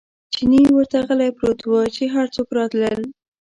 چیني ورته غلی پروت و، چې هر څوک راتلل.